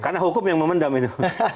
karena hukum yang memendam itu